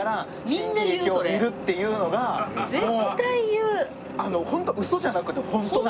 新喜劇を見るっていうのがもうホントウソじゃなくてホントなんですよ。